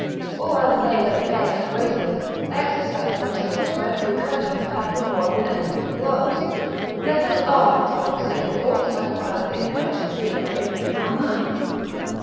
Or as they that play at wasters, exercise themselves by a few cudgels how to avoid an enemy's blows: let us arm ourselves against all such violent incursions, which may invade our minds.